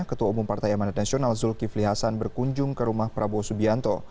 ketua umum partai amanat nasional zulkifli hasan berkunjung ke rumah prabowo subianto